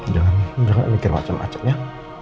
jangan mikir macem macem ya